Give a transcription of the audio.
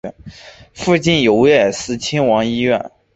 附近有威尔斯亲王医院。